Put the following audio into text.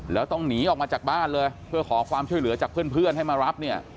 แล้วต้องหนีออกมาจากบ้านเลยเพื่อขอความช่วยเหลือจากเพื่อนให้มารับเนี่ย